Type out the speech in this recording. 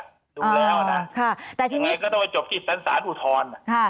ดูแล้วน่ะค่ะแต่ทีนี้ยังไงก็ต้องไปจบที่สรรสารอุทธรณ์ค่ะ